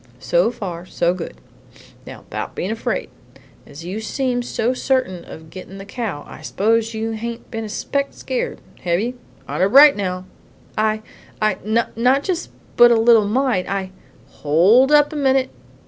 "So far, so good. Now bout bein' afraid. As you seem so certain of gettin' the cow, I suppose you hain't been a speck scared, hev you? Honor bright, now!" "I I not but just a little mite. I" "Hold up a minute.